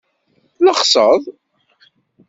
Tlexseḍ.